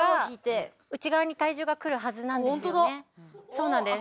そうなんです。